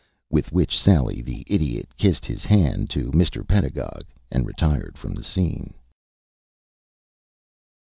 With which sally the Idiot kissed his hand to Mr. Pedagog and retired from the scene.